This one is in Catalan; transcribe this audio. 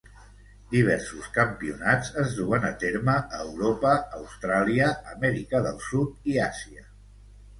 Diversos campionats es duen a terme a Europa, Austràlia, Amèrica del Sud i Àsia.